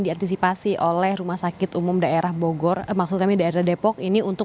diantisipasi oleh rumah sakit umum daerah bogor maksud kami daerah depok ini untuk